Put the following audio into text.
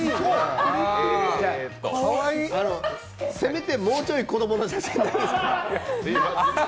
せめて、もうちょい子供の写真ないですか？